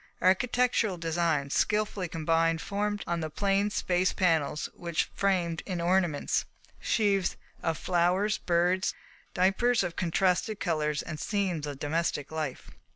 Architectural designs skilfully combined formed on the plain spaces panels which framed in ornaments, sheaves of flowers, birds, diapers of contrasted colours, and scenes of domestic life.